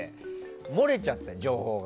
もれちゃった、情報が。